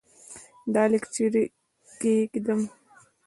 دا لیک چيري کښېږدم ؟